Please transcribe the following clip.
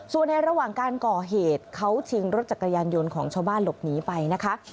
ส่วนในระหว่างการก่อเหตุเขาชิงรถจักรยานยนต์ของชาวบ้านหลบหนีไปนะคะ